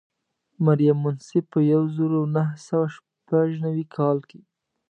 مریم منصف په یو زر او نهه سوه شپږ نوي کال کې.